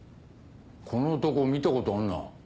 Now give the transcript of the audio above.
この男見たことあるな。